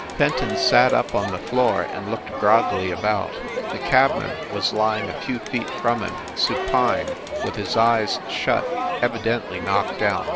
Fenton sat up on the floor and looked groggily about. The cabman was lying a few feet from him, supine, with his eyes shut, evidently knocked out.